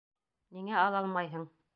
Ниңә ала алмайһың?